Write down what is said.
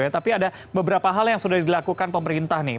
tapi ada beberapa hal yang sudah dilakukan pemerintah nih